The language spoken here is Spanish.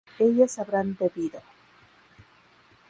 ellas habrán bebido